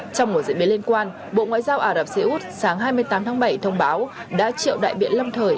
trong một diễn biến liên quan bộ ngoại giao ả rập xê út sáng hai mươi tám tháng bảy thông báo đã triệu đại biện lâm thời